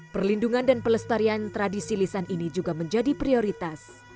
perlindungan dan pelestarian tradisi lisan ini juga menjadi prioritas